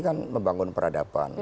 kan membangun peradaban